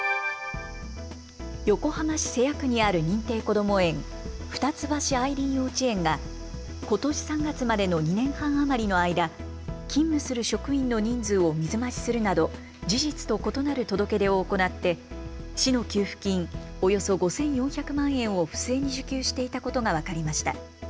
横浜市瀬谷区にある認定こども園、二ツ橋あいりん幼稚園がことし３月までの２年半余りの間、勤務する職員の人数を水増しするなど事実と異なる届け出を行って市の給付金およそ５４００万円を不正に受給していたことが分かりました。